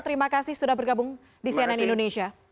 terima kasih sudah bergabung di cnn indonesia